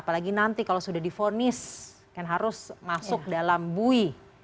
apalagi nanti kalau sudah difonis kan harus masuk dalam bui